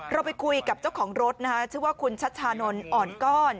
เราไปคุยกับเจ้าของรถนะคะชื่อว่าคุณชัชชานนท์อ่อนก้อน